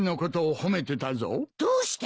どうして？